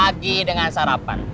pagi dengan sarapan